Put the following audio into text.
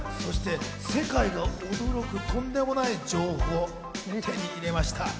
世界の驚くとんでもない情報、手に入れました。